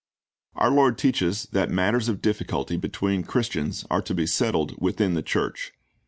"* Our Lord teaches that matters of difficulty between Christians are to be settled within the church.